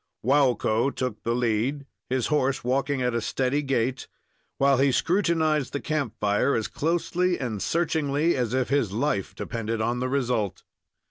Waukko took the lead, his horse walking at a steady gait, while he scrutinized the camp fire as closely and searchingly as if his life depended on the result.